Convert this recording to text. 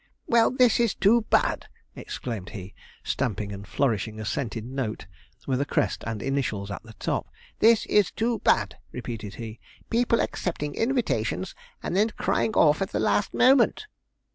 'Well, this is too bad!' exclaimed he, stamping and flourishing a scented note, with a crest and initials at the top. 'This is too bad,' repeated he; 'people accepting invitations, and then crying off at the last moment.'